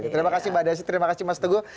terima kasih mbak desi terima kasih mas teguh